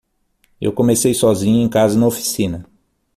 Eu comecei sozinho em casa na oficina.